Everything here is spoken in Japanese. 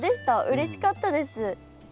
うれしかったです。